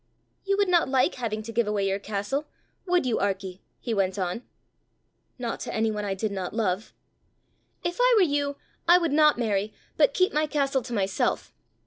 "You would not like having to give away your castle would you, Arkie?" he went on. "Not to any one I did not love." "If I were you, I would not marry, but keep my castle to myself.